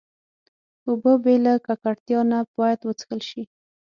اوبه بې له ککړتیا نه باید وڅښل شي.